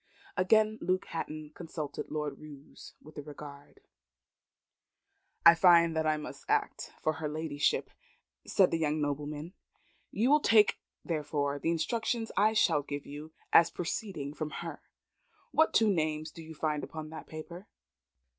Again Luke Hatton consulted Lord Roos with a regard. "I find I must act for her ladyship," said the young nobleman. "You will take, therefore, the instructions I shall give you, as proceeding from her. What two names do you find upon that paper?"